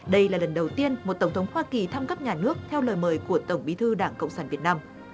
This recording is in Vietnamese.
đây là lần đầu tiên một tổng thống hoa kỳ thăm cấp nhà nước theo lời mời của tổng bí thư đảng cộng sản việt nam